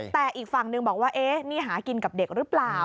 แต่อีกฝั่งหนึ่งบอกว่านี่หากินกับเด็กหรือเปล่า